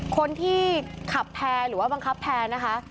คนที่ขับแพร่หรือว่าบังคับแพร่นะคะ